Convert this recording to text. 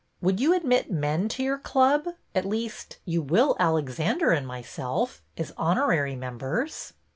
Would you admit men to your club ? At least, you will Alexander and myself, as honorary members."